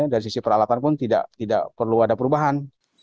dari sisi peralatan pun tidak perlu ada perubahan